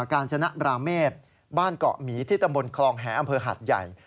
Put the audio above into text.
การชนะบราเมษบ้านเกาะหมีที่ตำบลคลองแหอำเภอหาดใหญ่